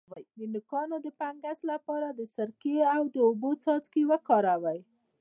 د نوکانو د فنګس لپاره د سرکې او اوبو څاڅکي وکاروئ